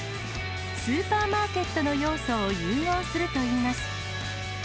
スーパーマーケットの要素を融合するといいます。